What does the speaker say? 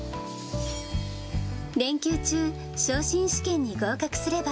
連休中、昇進試験に合格すれば、